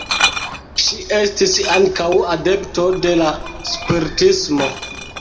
Ŝi estis ankaŭ adepto de la spiritismo.